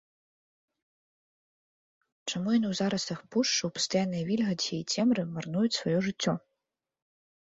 Чаму яны ў зараслях пушчы, у пастаяннай вільгаці і цемры марнуюць сваё жыццё?!.